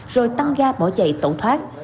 rồi tăng ga bỏ chạy tẩu thoát